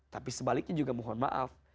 tapi sebaliknya juga mohon maaf